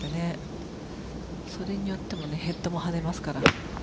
それによってもヘッドも跳ねますから。